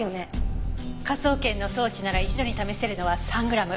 科捜研の装置なら一度に試せるのは３グラム。